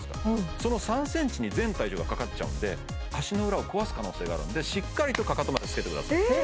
その３ｃｍに全体重がかかっちゃうんで足の裏を壊す可能性があるんでしっかりとかかとまでつけてくださいえっ